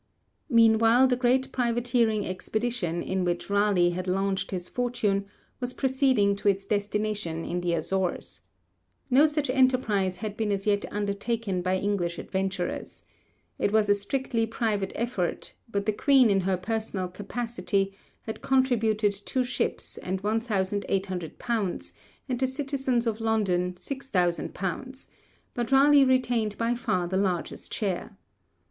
Meanwhile the great privateering expedition in which Raleigh had launched his fortune was proceeding to its destination in the Azores. No such enterprise had been as yet undertaken by English adventurers. It was a strictly private effort, but the Queen in her personal capacity had contributed two ships and 1,800_l._, and the citizens of London 6,000_l._, but Raleigh retained by far the largest share.